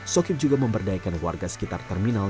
sokim juga memberdayakan warga sekitar terminal